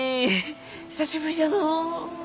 久しぶりじゃのう。